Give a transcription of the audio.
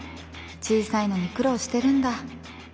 小さいのに苦労してるんだ。